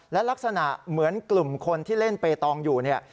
และลักษณะเหมือนกลุ่มคนที่เล่นเปตองอยู่เนี่ย